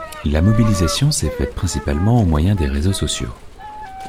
La mobilisation s’est faite principalement au moyen des réseaux sociaux.